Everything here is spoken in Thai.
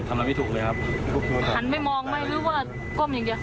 อะไรไม่ถูกเลยครับทุกคนหันไปมองไหมหรือว่าก้มอย่างเดียว